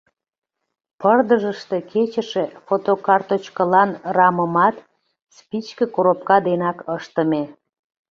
Пырдыжыште кечыше фотокарточкылан рамымат спичке коробка денак ыштыме.